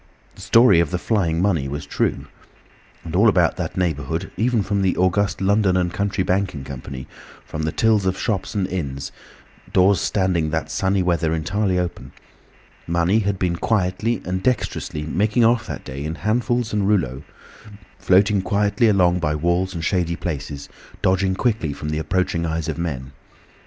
The story of the flying money was true. And all about that neighbourhood, even from the august London and Country Banking Company, from the tills of shops and inns—doors standing that sunny weather entirely open—money had been quietly and dexterously making off that day in handfuls and rouleaux, floating quietly along by walls and shady places, dodging quickly from the approaching eyes of men.